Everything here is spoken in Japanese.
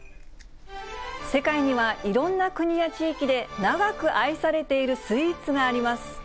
世界にはいろんな国や地域で、長く愛されているスイーツがあります。